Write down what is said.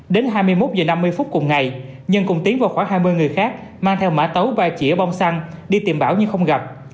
đến hai mươi một h năm mươi phút cùng ngày nhân cùng tiến và khoảng hai mươi người khác mang theo mã tấu ba chỉa bong xăng đi tìm bảo nhưng không gặp